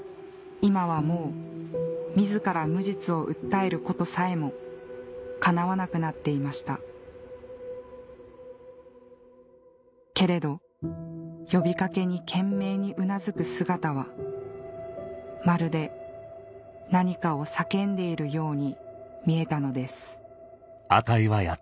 今はもう自ら無実を訴えることさえもかなわなくなっていましたけれど呼び掛けに懸命にうなずく姿はまるで何かを叫んでいるように見えたのです